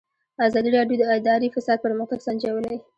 ازادي راډیو د اداري فساد پرمختګ سنجولی.